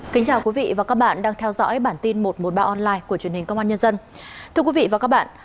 chào mừng quý vị đến với bản tin một trăm một mươi ba online của truyền hình công an nhân dân